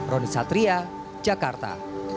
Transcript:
roni satria jakarta